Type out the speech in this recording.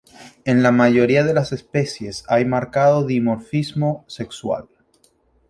En la mayoría de las especies hay marcado dimorfismo sexual.